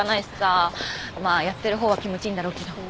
まあやってる方は気持ちいいんだろうけど。